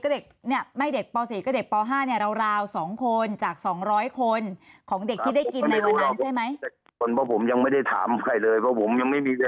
เพราะผมยังไม่ได้ถามใครเลยเพราะผมยังไม่มีเวลาได้ไปคุยกับใครเลย